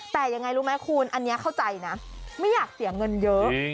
แต่ยังไงรู้ไหมคุณอันนี้เข้าใจนะไม่อยากเสียเงินเยอะ